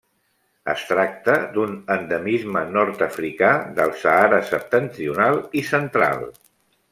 Es tracta d'un endemisme nord-africà del Sàhara septentrional i central.